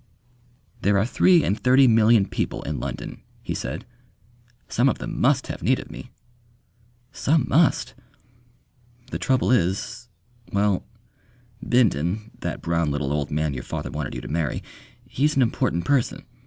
"There are three and thirty million people in London," he said: "some of them must have need of me." "Some must." "The trouble is ... Well Bindon, that brown little old man your father wanted you to marry. He's an important person....